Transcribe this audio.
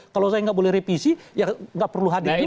kalau saya tidak boleh revisi ya tidak perlu hadir juga plt